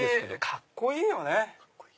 カッコいいよね。